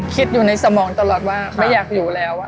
คิดอยู่ในสมองตลอดว่าไม่อยากอยู่แล้ว